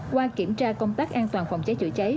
qua kiểm tra công tác an toàn phòng cháy chữa cháy